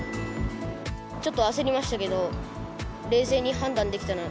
ちょっと焦りましたけど、冷静に判断できた。